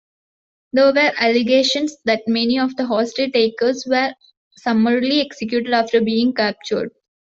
There were allegations that many of the hostage-takers were summarily executed after being captured.